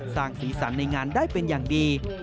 สร้างสีสันในงานได้เป็นอย่างดี